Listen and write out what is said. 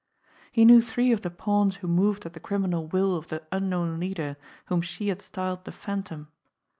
He knew three of the pawns who moved at the criminal will of the unknown leader whom she had styled the Phantom.